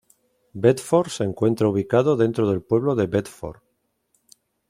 Bedford se encuentra ubicado dentro del pueblo de Bedford.